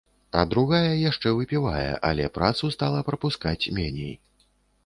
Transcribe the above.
А другая яшчэ выпівае, але працу стала прапускаць меней.